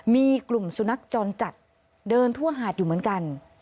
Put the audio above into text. มีกลุ่มสุนัขจรจัดเดินทั่วหาดอยู่เหมือนกัน